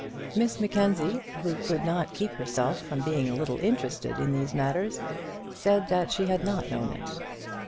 Miss Mackenzie, who could not keep herself from being a little interested in these matters, said that she had not known it.